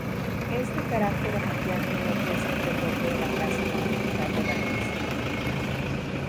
Este carácter cambiante no fue siempre propio de la Plaza Monumental de Valencia.